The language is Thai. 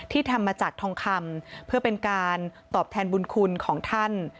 ทำมาจากทองคำเพื่อเป็นการตอบแทนบุญคุณของท่าน